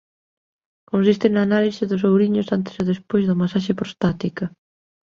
Consiste na análise dos ouriños antes e despois da masaxe prostática.